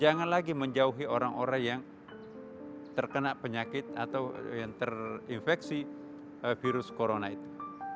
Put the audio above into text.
jangan lagi menjauhi orang orang yang terkena penyakit atau yang terinfeksi virus corona itu